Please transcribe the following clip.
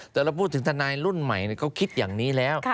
แต่เราพูดถึงทนายรุ่นใหม่เขาคิดอย่างนี้แล้ว